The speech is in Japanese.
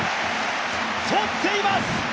とっています！